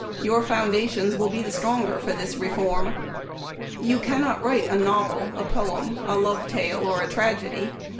Your foundations > will be the stronger for this reform. You can not write a novel, a poem, a love tale, or a tragedy.